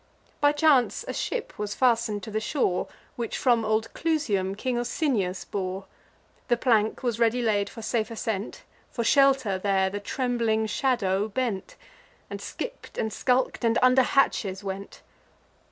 By chance a ship was fasten'd to the shore, Which from old Clusium King Osinius bore: The plank was ready laid for safe ascent; For shelter there the trembling shadow bent, And skipp't and skulk'd, and under hatches went.